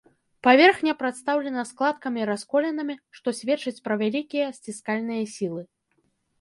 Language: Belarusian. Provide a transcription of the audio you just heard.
Паверхня прадстаўлена складкамі і расколінамі, што сведчыць пра вялікія сціскальныя сілы.